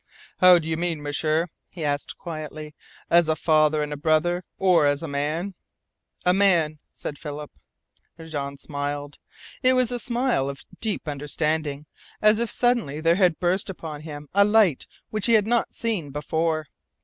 "How do you mean, M'sieur?" he asked quietly. "As a father and a brother, or as a man?" "A man," said Philip. Jean smiled. It was a smile of deep understanding, as if suddenly there had burst upon him a light which he had not seen before.